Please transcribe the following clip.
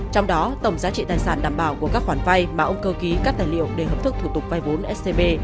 trong đó tổng giá trị tài sản đảm bảo của các khoản vai mà ông cơ ký cắt tài liệu để hợp thức thủ tục vai vốn scb